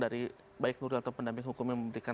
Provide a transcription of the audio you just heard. dari baik nuril atau pendamping hukum yang memberikan